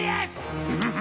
フフフ。